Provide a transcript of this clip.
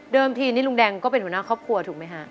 ทีนี้ลุงแดงก็เป็นหัวหน้าครอบครัวถูกไหมฮะ